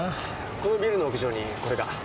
このビルの屋上にこれが。